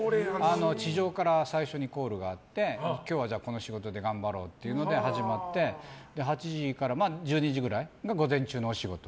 地上から最初にコールがあって今日はこの仕事で頑張ろうっていうので始まって８時から１２時ぐらいが午前中のお仕事。